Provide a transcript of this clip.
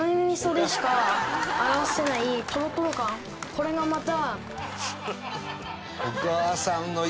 これがまた。